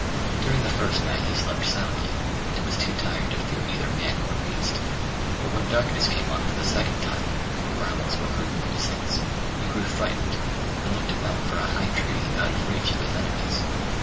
During the first night he slept soundly, and was too tired to fear either man or beast, but when darkness came on for the second time, and growls were heard in the distance, he grew frightened and looked about for a high tree out of reach of his enemies.